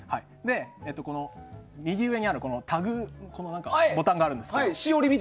右上にあるボタンがあるんですが。